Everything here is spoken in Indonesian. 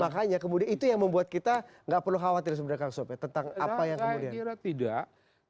makanya kemudian itu yang membuat kita nggak perlu khawatir sebenarnya kang sob ya tentang apa yang kemudian tidak